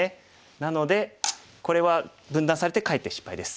なのでこれは分断されてかえって失敗です。